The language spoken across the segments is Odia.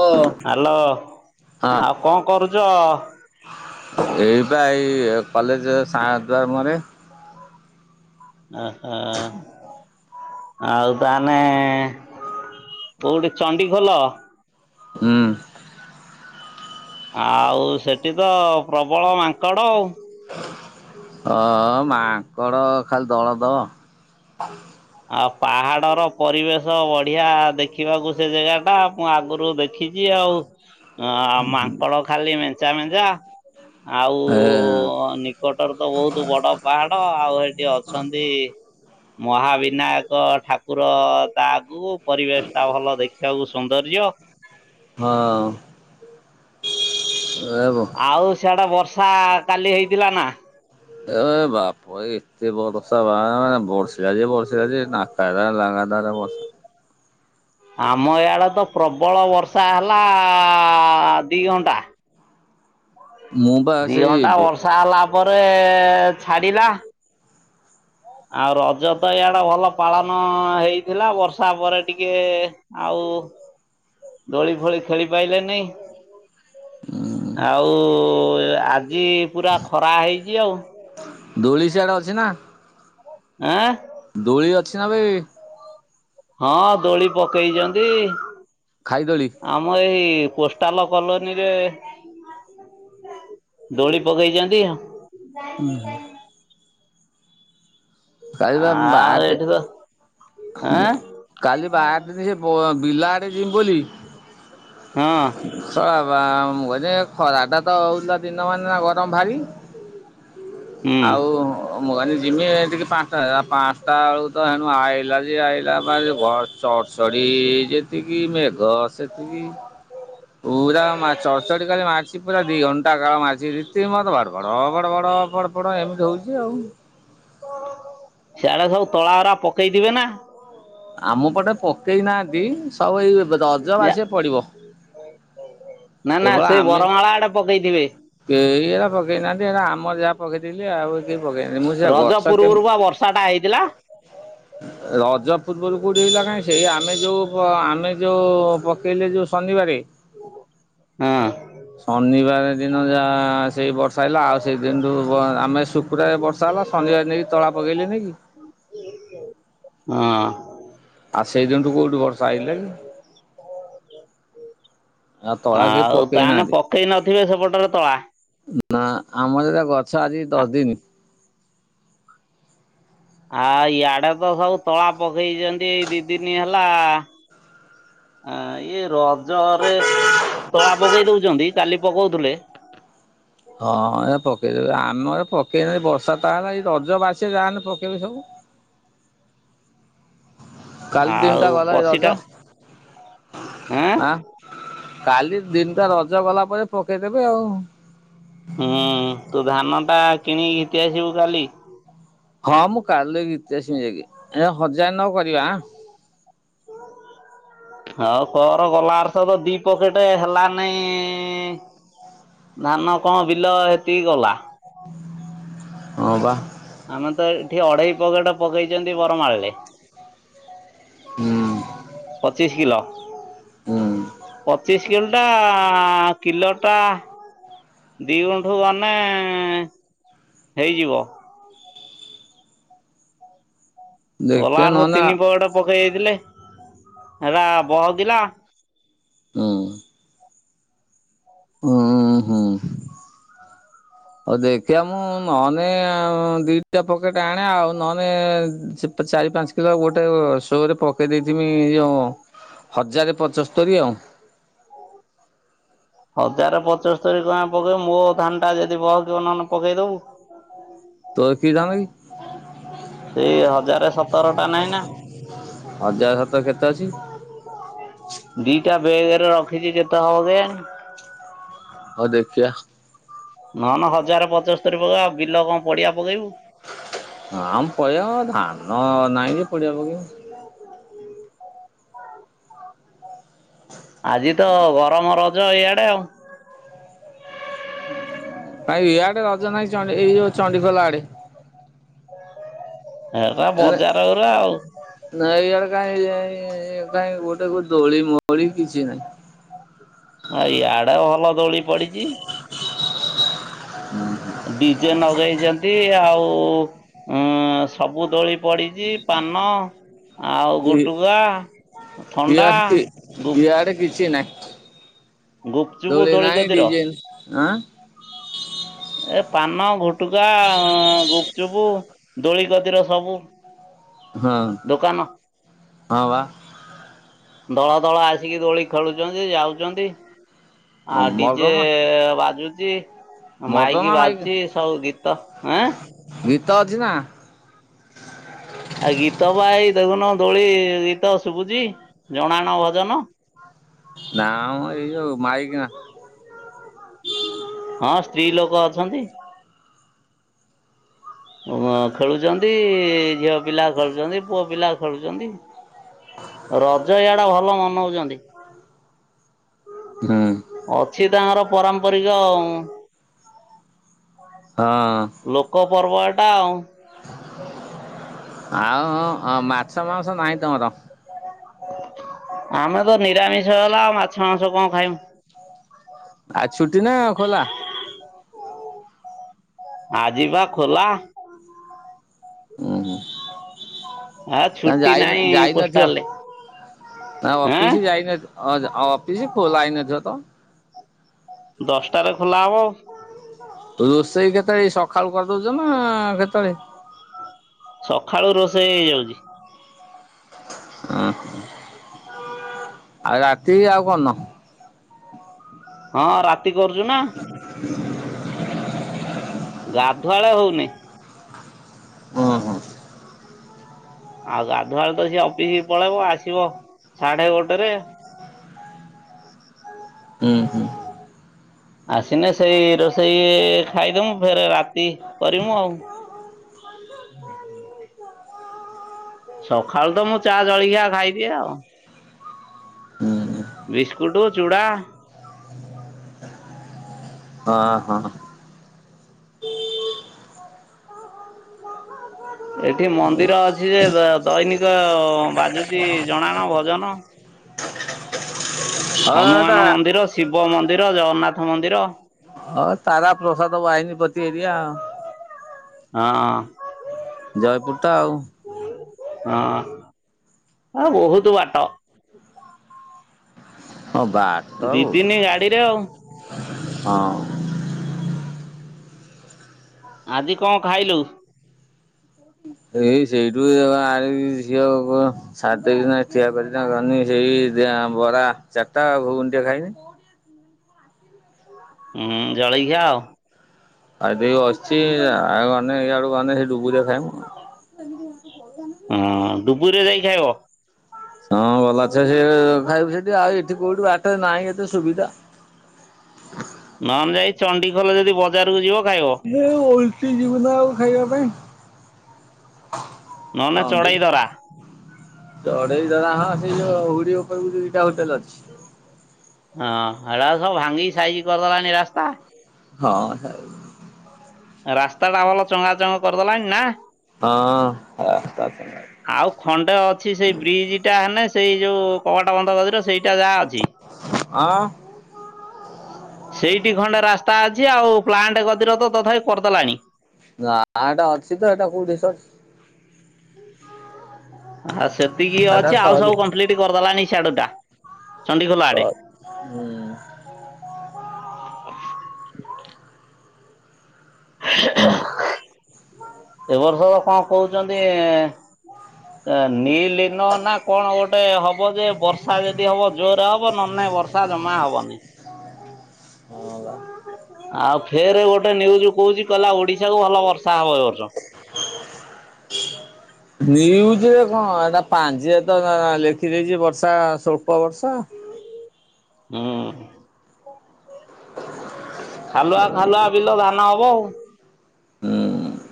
ଓ। ହାଲୋ, ହଁ ଆଉ କଁ କରୁଚ? ଏଇ ପା ଏଇ କଲେଜେ ସା ଦରମରେ। ଅ ହ। ଆଉ ତାହେନେ କୋଉଠି ଚଣ୍ଡିଖୋଲ? ହଁ। ଆଉ ସେଠି ତ ପ୍ରବଳ ମାଙ୍କଡ଼ ଉ। ହଁ ମାଙ୍କଡ଼ ଖାଲି ଦଳ ଦଳ। ଆଉ ପାହାଡ଼ର ପରିବେଶ ବଢ଼ିଆ ଦେଖିବାକୁ ସେ ଜେଗାଟା ମୁଁ ଆଗୁରୁ ଦେଖିଚି ଆଉ। ଅ ମାଙ୍କଡ଼ ଖାଲି ମେଞ୍ଚା ମେ ଯା ଆଉ ଏ ନିକଟରେ ତ ବୋହୁତ ବଡ଼ ପାହାଡ଼ ଆଉ ହେଠି ଅଛନ୍ତି ମହାବୀ ନାୟକ ଠାକୁର ତା ଆଗୁକୁ। ପରିବେଶଟା ଭଲ ଦେଖିବାକୁ ସୌନ୍ଦର୍ଯ୍ୟ। ହଁ ଏ ବୋ ଆଉ ସିଆଡ଼େ ବର୍ଷ୍ ଥା କାଲି ହେଇଥିଲା ନାଁ? ସେ ବରଷା ବା ହଁ ବର୍ଷିଲା ଯେ ବର୍ଷିଲା ଯେ ନାତାରା ଲଗାତାର ବର୍ଷା। ଆମ ଇଆଡ଼େ ତ ପ୍ରବଳ ବର୍ଷା ହେଲା ଦି ଘଣ୍ଟା। ମୁଁ ବା ଦି ସେଇ ଘଣ୍ଟା ବ ବର୍ଷା ହେଲା। ପରେ ଛାଡ଼ିଲା। ଆଉ ରଜ ତ ଇଆଡ଼େ ଭଲ ପାଳନ ହେଇଥିଲା ବର୍ଷା ପରେ ଟିକେ ଆଉ ଦୋଳି ଫୋଳି ଖେଳି ପାଇଲେନେଇ। ଆଉ ଏ ଏ ଆ ଜି ପୁରା ଖରା ହେଇଚି ଆଉ। ଦୋଳି ସିଆଡ଼େ ଅଛି ନାଁ? ଆଁ? ଛି ନାଁ ବେ? ହଁ ଦୋଳି ପକେଇଚନ୍ତି। ଖାଇ ଦୋଳି। ଆମର ଏଇ କୋଷ୍ଟାଲ କଲୋନୀରେ ଦୋଳି ପକେଇଛନ୍ତି [inaudible] କାଲି ବା ଆଉ ବାଟ ଏଠି ତ ଆଁ କାଲି ବାର ସେ ବିଲ ଆଡେ ବୋଲି ହଁ ଖରାପ ବ ମୁ କହିଲି ଖରା ଟା ତ ହଉଥିଲା ଦିନ ମାନ ଗରମ ଭାରି ହୁଁ ଆଉ ମୁ କହିନି ଯିମି ଟିକେ ପାଞ୍ଚଟା ଆଳୁ ତ ହେଣୁ ଆଏଲା ଯେ ଆଏଲା ଖାଲି ମ ଘର ଚଡ୍ ଚଡ଼ି ଯେତିକି ମେଘ୍ ଘ ସେତିକି ପୁରା ମା ଚଡଚଡି କାଲି ମାରିଚି ପୁରା ଦି ଘଣ୍ଟା କାଳ ମାରିଛି ରୀତି ମତ ଘଡ୍ ଘଡ ଘଡ ଫଡ ଫଡ ଏମିତି ହଉଛି ଆଉ ସିଆଡେ ସବୁ ତଳାରା ପକେଇଥିବେ ନା ଆମ ପଟେ ପକେଇ ନାଆନ୍ତି ସବୁ ଏଇ ରଜ ବାସି ପଡ଼ିବ ନା ନା ସେ ବରମାଳା ଆଡେ ପକେଇଥିବେ ସେଇ ହେରା ପକେଇନାହାନ୍ତି ଆମର ଯାହା ପକେଇଥିଲି ଆଉ ପକେଇନି ମୁଁ ସେ ରଜ ଗଛ କେନ ପୂର୍ବରୁ ବା ବର୍ଷାଟା ହେଇଥିଲା ରଜ ପୂର୍ବରୁ କୋଉଠି କିନା କାଇଁ ସେଇ ଆମେ ଯୋଉ ପ ଆମେ ଯୋଉ ପକେଇଲେ ଯୋଉ ଶନିବାରେ ହଁ ଶନିବାରେ ଦିନ ଯାହା ସେଇ ବର୍ଷା ହେଲା ଆଉ ସେଇଦିନଠୁ ଆମେ ଶୁକ୍ରବାରେ ବର୍ଷା ହେଲା ଶନିବାରେ ନେଇକି ତଳା ପକେଇଲିନିକି ହଁ। ଆଉ ସେଇ ଦିନଠୁ କୋଉଠୁ ତୁ ବର୍ଷା ଆଇଲା କି? ଆଉ ତଳା କେହି ଆଉ ପକେଇ ତା ନା ନାହାନ୍ତି ପକେଇ ନ ଥିବେ ସେପଟରେ ତଳା ନା ଆମର ଏରା ଗ ଆଚ୍ଛା ଆଜିକି ଦଶ ଦିନି ଆ ଇଆଡେ ତ ସବୁ ତଳା ପକ ହେଇଚନ୍ତି ଏଇ ଦି ଦିନିଆ ହେଲା ଆଁ ଇଏ ରଜରେ ତଳା ପକେଇ ଦଉଚନ୍ତି କାଲି ପକଉଥିଲେ। ହଁ ଏ ପକେଇଦେବି ଆମର ପକେଇଲେ ବର୍ଷା ତା ଲାଗି ରଜ ବାସି ଯାହେନେ ପକେଇବେ ସବୁ। କାଲି ଆଉ ଦିନଟା ଗଲାରେ ପଶିଟା ରଜ ଆଁ କାଲି ଦିନଟା ରଜ ଗଲା ପରେ ପକେଇଦେବେ ଆଉ। ହଁ ତୁ ଧାନ ଟା କିଣିକି ଘିତି ଆସିବୁ କାଲି? ହଁ ମୁଁ କାଲି ଘିତି ଆସିବି ଯାଇକି ଏଟା ହଜାରେ ନଅ କରିବା ଆଁ। ହଁ କର ଗଲାର୍ଷ ତ ଦିଇ ପକେଟ ହେଲାନାଇ ଧାନ କଣ ବିଲ ହେତିକି ଗଲା ହଁ ପା। ଆମେ ତ ଏଠି ଅଢେଇ ପକେଟ ପକେଇଛନ୍ତି ବରମାଳରେ ହୁଁ [inaudible] ହ ଶିଖିଲ ହୁଁ। ଶ ଗୁଣ୍ଟା କିଲୋଟା ଦିଇ ଗୁଣ୍ଠୁ ଗନେ ହେଇଯିବ। ଗଲା ଦେଖିଆ ବର୍ଷ ନହେଲେ ଆ ତିନି ପଡେ ପକେଇ ଯାଇ ଥିଲେ ହେରା ବହକିଲା। ହଁ। ହୁଁ ହୁଁ ଆଉ ଦେଖିବା ମୁଁ ନହଲେ ଦିଟା ପକେଟ ଆଣ ଆଉ ନହଲେ ଚାରି ପାଞ୍ଚ କିଲୋ ଗୋଟେ ସୋରେ ପକେଇ ଦେଇଥମିଉ ହଜାରେ ପଚସ୍ତର ଆଉ ହଜାର ପଚସ୍ତୋରୀ ଟଙ୍କା ପକେଇବ ମୋଉ ଧାନ ଟା ଯଦି ବହକିବ ନହେଲେ ପକେଇଦବୁ ତୋ କି ଧାନ କି? ସେଇ ହଜାର ସତରଟା ନାହିଁ ନା ହଜାର ସତର କେତେ ଅଛି ଦିଇଟା ବେଗରେ ରଖିଚି କେତେ ହେବ କେୟାନି ହଉ ଦେଖିବା ନ ନହନେ ହଜାର ପଚସ୍ତରୀ ପକେଇବା ବିଲ କଣ ପଡିଆ ପକେଇବୁ ହଁ ଆମ ପଳେଇଆ ଧାନ ନହିଁ ଯେ ପଡ଼ିଆ ପକେଇବି। ର ଇଆଡ଼େ ଆଉ ଭାଇ ଇଆଡେ ରଜ ନାହିଁ ଏଇ ଯୋଉ ଚଣ୍ଡି ଚଣ୍ଡିଖୋଲ ଆଡେ ହେଟ ଏଣେ ବଜାରୁରା ଆଉ କଁ କାଇଁ ଗୋଟେ ଦୋଳି ମୋଳି କିଛି ନହିଁ। ଭ ଇ ଆଡେ ଭଲ ଦୋଳି ପଡିଛି ହୁଁ। ଡିଜେ ଲଗେଇଛନ୍ତି ଆଉ ଉ ସବୁ ଦୋଳି ପଡିଛି ପାନ ଆଉ ଗୁଟୁକା ଥଣ୍ଡା ଡ ଗୁପ୍ କି ଆଡେ କିଛି ନା [unintelligible] ଗୁପଚୁପୁ ଧୋଳିଗଦିର ଡିଜେ ଆଁ ଏ ପାନ ଫୁଟୁକା ଗୁପଚୁପୁ ଦୋଳିିକତିର ସବୁ ହଁ ଦୋକାନ ହଁ ବା ଦଳ ଦଳ ଆସିକି ଦୋଳି ଖେଳୁଛନ୍ତି ଯାଉଛନ୍ତି। ହଁ ଡିଜେ ମର୍ଦମା ବାଜୁ ଯେ। ମର୍ଦମା ମାଇକି ମାଇକ ବାଜୁଚ ସବୁ ଗୀତ ଆଁ। [inaudible] ଆ ଗୀତ ବା ଏଇ ଦେଖୁନୁ ଦୋଳିଗୀତ ଶୁଭୁଛି। ଜଣାଣ ଭଜନ। ନା ଏଇ ମାଇକ ନା। ହଁ ସ୍ତ୍ରୀ ଲୋକ ଅଛନ୍ତି। ଖେଳୁଛନ୍ତି ଝିଅ। ପିଲା ଖେୁଛନ୍ତି ପୁଅପିଲା ଖେଳୁଛନ୍ତି। ରଜ ଇଆଡା ଭଲ ମନଉଛନ୍ତି। ହଁ। ସିଏ ତାଙ୍କର ପରମ୍ପରିକ। ହଁ। ପର୍ବଟା ଆଉ। ଆଉ ହଁ ମାଛ ମାଂସ ନାହିଁ ତମର। ଆମେ ତ ନିରାମିଷ ହେଲା ଆଉ ମାଛ ମାଂସ କଣ ଖାଇବୁ? ଆଉ ଛୁଟି ନା ଖୋଲା। ଆଜି ପା ଖୋଲା। ଓୁ୍ଁ ଆ ହୁଁ। ଛୁଟି ଯାଇ ନାହିଁ ଯାଇନଥିବ ପୋଷ୍ଟାଲରେ ତା ଆଁ ଅଫିସି ଯାଇନଥିଅ ଅଫିସି। ହ ଲାଇନଛ ତ [unintelligible] ଦଶଟାରେ ଖୋଲା ହବ ହ। ତୁ ରୋଷେଇ କେତେବେଳେ ସକାଳୁ କରିଦଉଛୁ ନା କେତେଳେ। ସକାଳୁ ରୋଷେଇ ହେଇଯାଉଛି। ହଁ ଆଉ ରାତି ଆଉ କରୁନ। ହଁ ରାତି। ତି କରୁଛୁ ନା। ଗାଧୁଆଳେ ହଉନି। ଓ ହଁ। ଆଉ ଗାଧୁଆଳୋ ତ ସେ ଅଫିସ ପଳେଇବ ଆସିବ ସାଢେ ଗୋଟେରେ। ହୁଁ ହୁଁ। ଆସନେ ସେଇ ରୋଷେଇ ଖାଇଦମୁ ଫେରେ ରାତି କରିମୁ ଆଉ। ସକାଳୁ ତ ମୁଁ ଚା ଜଳଖିଆ ଖାଇଦିଏ ଆଉ। ହୁଁ ହୁଁ ବିସ୍କୁଟୁ ଚୁଡ଼ା। ହଁ ହଁ। ଏଠି ମନ୍ଦିର ଅଛି ଯେ ଦୈନିକ ବାଜୁଛି ଜଣାଣ, ଭଜନ। ହଁ ଏଟା ହନୁମାନ ମନ୍ଦିର, ଶିବ। ଶିବ ମନ୍ଦିର, ଜଗନ୍ନାଥ ମନ୍ଦିର। ହଁ ତାରାପ୍ରସାଦ ବାହିନୀପତି ଏରିଆ। ହଁ। ଜୟପୁର ତ ଆଉ। ହଁ ଆ ବହୁତ ବାଟ। ହଁ ବାଟ ଦି ବହୁତ ଦିନି ଗାଡିରେ ଆଉ ହଁ। ଆଜି କଣ ଖାଇଲୁ? ଏଇ ସେଇଠୁ ଆ ଝିଅି ଦିନ ଠିଆ କରିିନନ ସେଇ ବରା ଚାରିଟା ଭୁଗୁନ ଟେ ଖାଇନି [unintelligible] ହୁଁ ଜଳେଇଖିଆ ଆଉ ଆଦି [unintelligible] ବସିଛି ଆେ ଇଆଡ ଗେ ସେଠ ଡୁବୁରିରେ ଖାଇମୁଁ ଆଉ [inaudible] ଧୁପୁରିରେ ଯାଇ ଖାଇବ ହଁ ଭଲ ଅଛ ସେ ଖାଇବୁ ସେଇଠି। ଆଉ ଏଠି କୋଉଠି ବାଟରେ ନାହିଁ ଏତେ ସୁବିଧା। ନହେ ଯାଇ ଚଣ୍ଡିଖୋଲ ଯଦି ବଜାରକୁ ଯିବ। ଖାଇବ ଏ ଓଲଚ ଯିବୁନା ଆଉ ଖାଇବା ପାଇଁ। ନହ ନା ଚଣ୍ଡେଇ ଚଢେଇ ଧରା ଚଢେଇ ଧରା ହଁ ସେଇ ଯ ହୁଡି ଉପରକୁ ଦ ଦିଟା ହୋଟେଲ ଅଛି। ହଁ ଏଟା ସବ ଭାଙ୍ଗି ସାଇଜି କରିଦେଲାଣି ରାସ୍ତା। ହଁ। ରାସ୍ତା ଟା ଭଲ ଚଙ୍ଗାଚଙ୍ଗ କରିଦେଲାଣି ନା। ହଁ ତା ସାଙ୍ଗରେ ଆଉ ଖଣ୍ଡେ ଅଛି। ସେଇ ବ୍ରିଜ ଟା ହେଲେ ସେଇ ଯୋଉ କବାଟ ବନ୍ଧ ଗଦରେ ସେଇ ଟା ଯାହା ଅଛି। ହଁ ସେଇଠି ଖଣ୍ଡେ ରାସ୍ତା ଅଛି। ଆଉ ପ୍ଲାଣ୍ଟ ଗଦିର ତ ତଥାପି କରିଦେଲାଣି। ନା ଏଟା ଅଛି ତ ଏଟା କୋଉଠି ସଛି। ହ ସେତିକି ଏଟା ଅଛି ଆଉ ସରି ସବୁ କମ୍ପ୍ଲିଟି କରିଦେଲାଣିି ଛାଡୁ ଟା। ଚଣ୍ଡିଖୋଲ ଆଡେ। ହୁଁ ହୁଁ। [inaudible] ହୁଁ। [inaudible] ଏ ବର୍ଷ ତ କଣ କହୁଛନ୍ତି ନିଲ୍ ପେନ ନା କଣ ଗୋଟେ ହବ ଯେ ବର୍ଷା ଯଦି ହବ ଜୋରରେ ହବ ନ ନେ ବର୍ଷା ଜମା ହବନି। ହଁ ବା। ଆଉ ଫେରେ ଗୋ ନ୍ୟୁଜୁ କହୁଛି କହିଲା ଓଡିଶା କୁ ଭଲ ବର୍ଷା ହବ ଏଇ ବର୍ଷ। ନିୟୁଜ ରେ କଣ ଏ ପାଞ୍ଜିଆ ତ ଲେଖିଦେଇଛି ବର୍ଷା ସ୍ୱଳ୍ପ ବର୍ଷ। ହୁଁ। [inaudible] ଖାଲୁଆ ଖାଲୁଆ ବିଲ ଧାନ ହବ ଆଉ।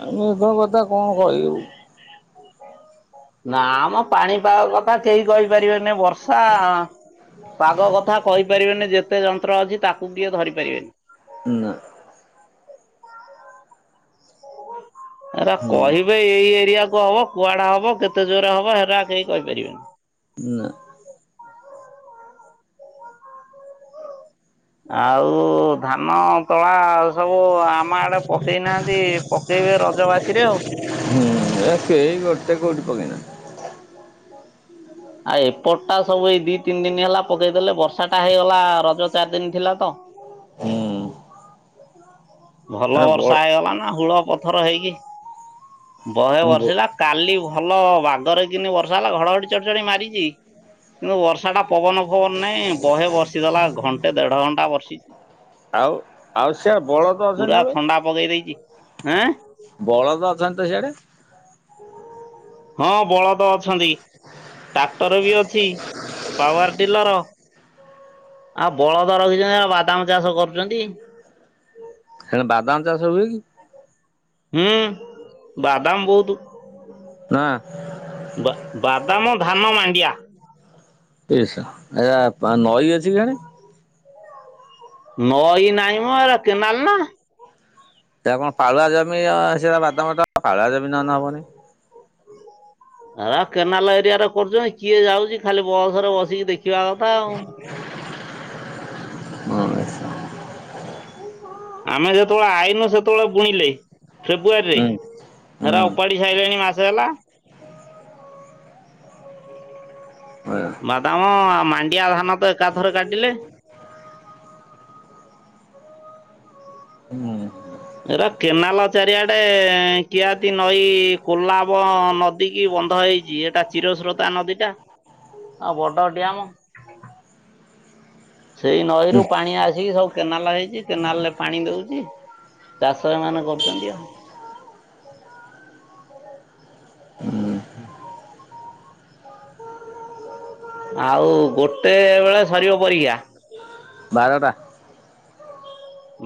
ହୁଁ ମେଘ କଥା କଣ କହିବୁ। ନା ମ ପାଣିପାଗ କ କେହି କହିପାରିବେନି ବର୍ଷା ପାଗ କଥା କହିପାରିବେନି। ଯେତେ କେତେ ଯନ୍ତ୍ର ଅଛି ତାକୁ ବି ଧରି ପାରିବେନି। ନା। ଏରା ହୁଁ। କହିବେ ଏଇ ଏଇ ଆକୁ ହବ କୁଆଡେ ହବ କେତେ ଜୋରରେ ହବ ହେରା କେହି କହିପାରିବେନି। ନା। ଆଉ ଧାନ ତଳା ସବୁ ଆମ ଆଡେ ପକେଇ ନାହାଁନ୍ତି। ପକେଇବେ ରଜ ବାସିରେ ଆଉ। ହୁଁ ଏ କେହି ଗୋଟେ କଉଠି ପକେନା ଆଉ ଏପଟ ଟା ସବୁ ଏଇ ଦି ତିନି ଦିନ ହେଲା ପକେଇଦେଲେ ବର୍ଷା ଟା ହେଇଗଲା ରଜ ଚାରି ଦିନ ଥିଲା ତ। ହୁଁ। ଭଲ ଏଟା ବଡ ବର୍ଷା ହେଇଗଲା ନା ହୁଳ ପଥର ହେଇକି ବହେ ବ ବର୍ଷିଲା କାଲି ଭଲ ବାଘରେ କିିନି ବର୍ଷା ହେଲା ଘଡଘଡି ଚଡଚଡି ମାରିଛି କିନ୍ତୁ ବର୍ଷା ଟା ପବନ ଫବନ ନାଇଁ ବହେ ବର୍ଷିଦେଲା ଘଣ୍ଟେ ଦେଢ ଘଣ୍ଟା ବର୍ଷିଛି। ଆଉ ଆଉ ସିଆଡେ ବଳଦ ଅଛନ୍ତି ପୁରା ନା ବେ ଥଣ୍ଡା ପକେଇ ଦେଇଚି। ଏଁ ବଳଦ ଅଛନ୍ତି ତ ସିଆଡେ ହଁ ବଳଦ ଅ ଅଛନ୍ତି ଟ୍ରାକ୍ଟର ବି ଅଛି ପାୱାର ଡିଲର ଆ ବଳଦ ରହିଛନ୍ତି ବାଦାମ ଚାଷ କରୁଛନ୍ତି। ହେ ବାଦାମ ଚାଷ ହୁଏ କି? ହୁଁ ବାଦାମ ବହୁତୁ। ନା ବା ବାଦାମ ଧାନ ମାଣ୍ଡିଆ। ଏଶା ଏଆ ନଈ ଅଛି କିଜାଣି ନଈ ନାହିଁ ମଁ ଏରା କେନାଲ ନା। ସେଟା କଣ ପାଳୁଆ ଜମି ସେଟା ବାଦାମ ଟା ପାଳୁଆ ଜମି ନହେଲେ ହବନି। ଆ କେନାଲ ଏରିଆରେ କରୁଛନ୍ତି କିଏ ଯାଉଛି ଖାଲି ବସରେ ବଶି ଟିକେ ଦେଖିବା କଥା ଆଉ ହଁଇସା ଆମେ ଯେତେବେଳେ ଆଇନୁ ସେତେବେଳେ ବୁଣିଲେ। ଫେବୃଆରୀ ରେ ହେରା ଓପାଡି ସାରିଲେଣି ମାସେ ହେଲା। ବାଦାମ ଆ ମା ୟା ଧାନ ଏକା ଥରେ କାଟିଲେ ହୁଁ। ଏରା କେନାଲ ଚାରିଆଡେ କିଆତି ନଈ କୋଲାବ ନଦୀ କି ବନ୍ଧ ହେଇଛି ଏଟା ଚିରସ୍ରୋତା ନଦୀ ଟା ଆଉ ବଡ ଡ୍ୟାମ ସେଇ ନଈରୁ ପାଣି ଆସିକି ସବୁ କେନାଲ୍ ହେଇଚି, କେନାଲ୍ ରେ ପାଣି ଦଉଚି, ଚାଷ ଏମାନେ କରୁଚନ୍ତି ଆଉ। ଉଁ, ହୁଁ, ଆଉ ଗୋଟେ ବେଳେ ସରିବ ପରୀକ୍ଷା। ବାରଟା।